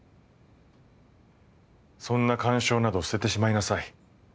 そんな感傷など捨ててしまいなさい。